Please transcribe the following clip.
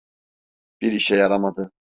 Bir işe yaramadı.